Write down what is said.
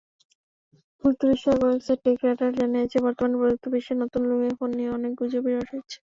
প্রযুক্তিবিষয়ক website TechRadar জানিয়েছে, বর্তমানে প্রযুক্তিবিশ্বে নতুন লুমিয়া ফোন নিয়ে অনেক গুজবই রয়েছে।